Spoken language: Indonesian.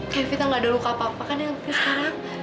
kak evita gak ada luka apa apa kan yang penting sekarang